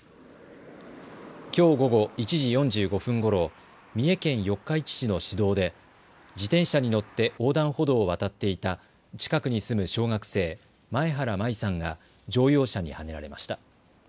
きょう午後１時４５分ごろ、三重県四日市市の市道で自転車に乗って横断歩道を渡っていた近くに住む小学生前原舞雪さんが乗用車にはねられました。